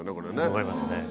思いますね。